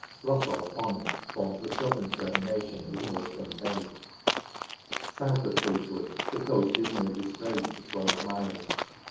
Rossall Point forms the southern termination of Morecambe Bay. South of Fleetwood the coast is nearly straight for twelve miles.